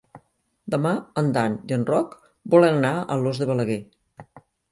Demà en Dan i en Roc volen anar a Alòs de Balaguer.